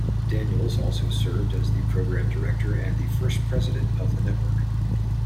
Daniels also served as the program director and the first president of the network.